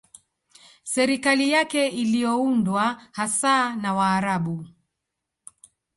Serikali yake iliyoundwa hasa na Waarabu